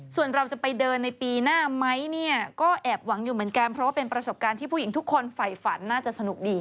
ส่วนเราจะไปเดินในปีหน้าไหมเนี่ยก็แอบหวังอยู่เหมือนกันเพราะว่าเป็นประสบการณ์ที่ผู้หญิงทุกคนฝ่ายฝันน่าจะสนุกดี